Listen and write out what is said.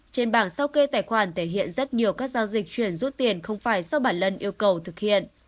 trên bảng sao kê tài khoản thể hiện rất nhiều các giao dịch chuyển rút tiền không phải do bà lân yêu cầu thực hiện